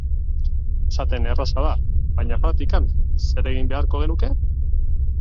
Esatea erraza da, baina praktikan, zer egin beharko genuke?